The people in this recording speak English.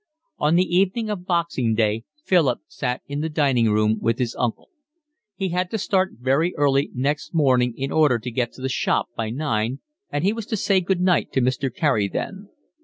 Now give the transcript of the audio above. On the evening of Boxing Day Philip sat in the dining room with his uncle. He had to start very early next morning in order to get to the shop by nine, and he was to say good night to Mr. Carey then.